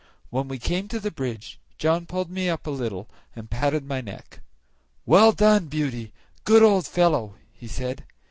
When we came to the bridge John pulled me up a little and patted my neck. "Well done, Beauty! good old fellow," he said.